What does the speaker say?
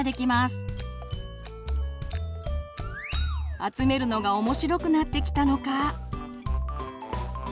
集めるのが面白くなってきたのか。